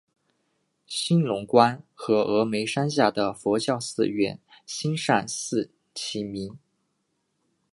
兴隆观和峨嵋山下的佛教寺院兴善寺齐名。